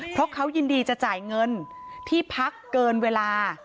เพราะเขายินดีจะจ่ายเงินที่พักเกินเวลา